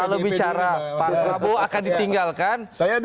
kalau bicara pak prabowo akan ditinggalin pak jokowi